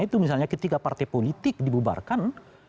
itu misalnya ketika partai politik dibubarkan